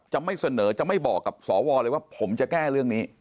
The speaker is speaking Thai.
จะไม่เสนอจะไม่บอกกับสวเลยว่าผมจะแก้เรื่องนี้